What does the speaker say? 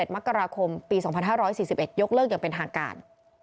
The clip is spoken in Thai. ๑มกราคมปี๒๕๔๑ยกเลิกอย่างเป็นทางการ